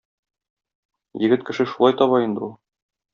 Егет кеше шулай таба инде ул.